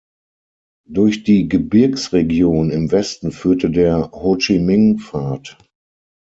Durch die Gebirgsregion im Westen führte der Ho-Chi-Minh-Pfad.